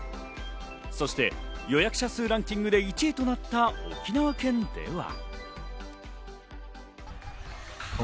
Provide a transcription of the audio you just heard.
そして予約者数ランキングで１位となった沖縄県では。